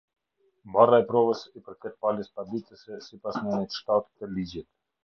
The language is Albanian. Barra e Provës i përket palës paditëse sipas nenit shtatë të ligjit.